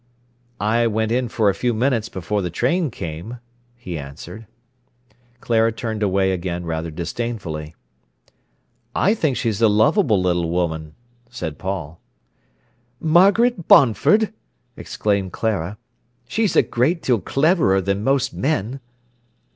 "I went in for a few minutes before the train came," he answered. Clara turned away again rather disdainfully. "I think she's a lovable little woman," said Paul. "Margaret Bonford!" exclaimed Clara. "She's a great deal cleverer than most men."